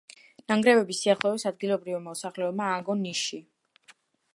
ნანგრევების სიახლოვეს ადგილობრივმა მოსახლეობამ ააგო ნიში.